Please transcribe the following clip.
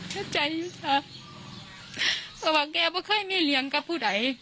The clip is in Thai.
เข้าใจอยู่ค่ะเพราะว่าแกไม่เคยมีเลี้ยงกับผู้ใด